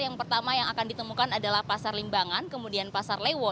yang pertama yang akan ditemukan adalah pasar limbangan kemudian pasar lewo